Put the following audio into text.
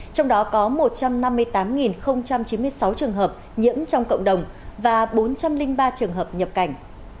trong đó có một trăm năm mươi tám chín mươi sáu trường hợp nhiễm trong cộng đồng và bốn trăm linh ba trường hợp nhập cảnh